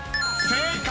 ［正解！